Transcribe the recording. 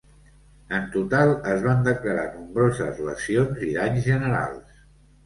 En total, es van declarar nombroses lesions i danys generals.